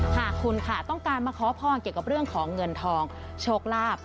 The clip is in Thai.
หากคุณค่ะต้องการมาขอพรเกี่ยวกับเรื่องของเงินทองโชคลาภ